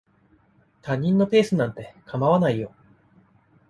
他人のペースなんて構わないよ。